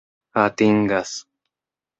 atingas